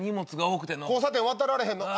交差点渡られへんの？